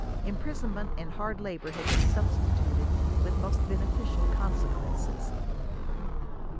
Imprisonment and hard labor had been substituted, with *^mo8t &en«/^ctaZ consequences."